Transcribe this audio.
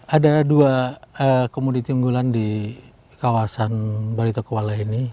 ada dua kemudi tinggulan di kawasan baritokuala ini